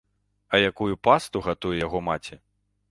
А якую пасту гатуе яго маці!